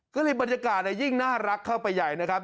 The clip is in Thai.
ก็เลยบรรยากาศยิ่งน่ารักเข้าไปใหญ่นะครับ